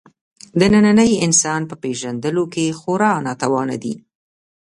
د ننني انسان په پېژندلو کې خورا ناتوانه دی.